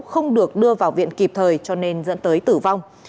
không được đưa vào viện kịp thời cho nên dẫn tới tử vong